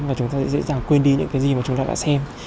và chúng ta dễ dàng quên đi những cái gì mà chúng ta đã xem